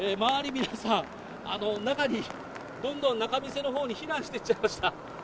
皆さん、中に、どんどん仲見世のほうに避難していっちゃいました。